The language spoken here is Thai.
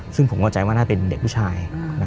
ซึ่งผมเข้าใจว่าน่าเป็นเด็กผู้ชาย